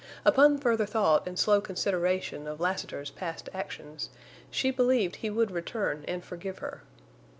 Upon further thought and slow consideration of Lassiter's past actions, she believed he would return and forgive her.